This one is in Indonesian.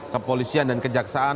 kepolisian dan kejaksaan